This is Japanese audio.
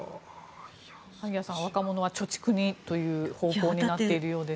萩谷さん、若者は貯蓄にという方向になっているようです。